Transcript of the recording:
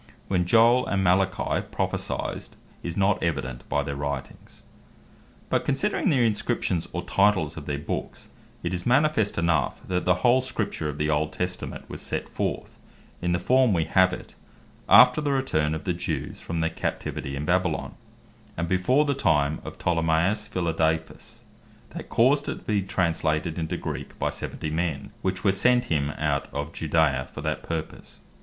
When Joel and Malachi prophecyed, is not evident by their Writings. But considering the Inscriptions, or Titles of their Books, it is manifest enough, that the whole Scripture of the Old Testament, was set forth in the form we have it, after the return of the Jews from their Captivity in Babylon, and before the time of Ptolemaeus Philadelphus, that caused it to bee translated into Greek by seventy men, which were sent him out of Judea for that purpose.